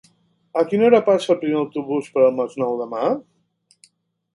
A quina hora passa el primer autobús per el Masnou demà?